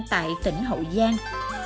tại tỉnh hậu giang